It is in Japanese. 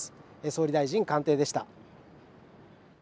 総理大臣官邸でした。